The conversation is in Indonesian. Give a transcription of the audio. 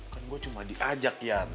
kan gue cuma diajak ya